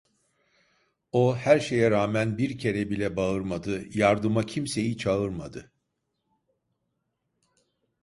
O, her şeye rağmen bir kere bile bağırmadı, yardıma kimseyi çağırmadı.